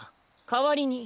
かわりに。